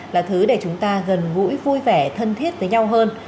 là thứ để chúng ta gần gũi vui vẻ thân thiết với nhau hơn